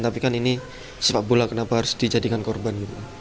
tapi kan ini sepak bola kenapa harus dijadikan korban